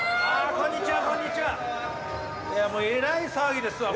こんにちは。